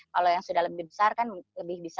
kalau yang sudah lebih besar kan lebih bisa